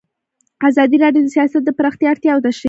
ازادي راډیو د سیاست د پراختیا اړتیاوې تشریح کړي.